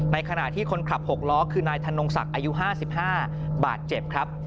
ขณะที่คนขับ๖ล้อคือนายธนงศักดิ์อายุ๕๕บาดเจ็บครับ